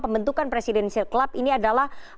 pembentukan presidential club ini adalah